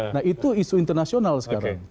nah itu isu internasional sekarang